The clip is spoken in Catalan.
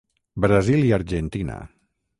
Brasil i Argentina.